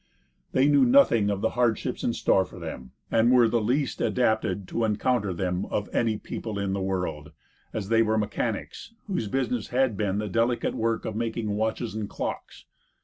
They knew nothing of the hardships in store for them, and were the least adapted to encounter them of any people in the world, as they were mechanics, whose business had been the delicate work of making watches and clocks.